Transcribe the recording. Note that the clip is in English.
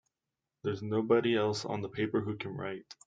There's nobody else on the paper who can write!